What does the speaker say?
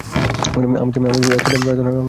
আমাদের একসাথে প্রার্থনা করতে হবে।